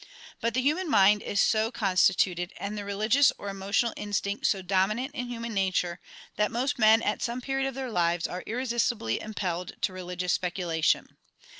But the human mind is so constituted, and the religious or emotional instinct so dominant in human nature, that most men at some period of their lives are irresistibly impelled to religious speculation.